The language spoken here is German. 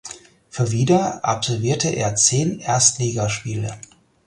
Für Vida absolvierte er zehn Erstligaspiele.